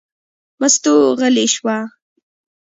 مستو غلې شوه.